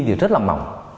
thì rất là mỏng